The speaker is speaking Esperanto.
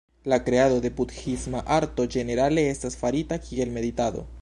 La kreado de budhisma arto ĝenerale estas farita kiel meditado.